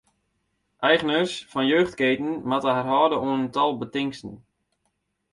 Eigeners fan jeugdketen moatte har hâlde oan in tal betingsten.